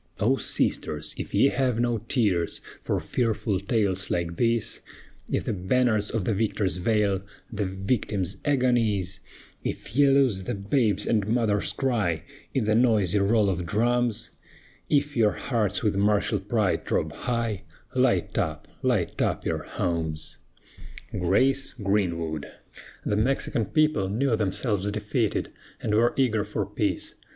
O sisters, if ye have no tears For fearful tales like these, If the banners of the victors veil The victim's agonies, If ye lose the babe's and mother's cry In the noisy roll of drums, If your hearts with martial pride throb high, Light up, light up your homes! GRACE GREENWOOD. The Mexican people knew themselves defeated, and were eager for peace.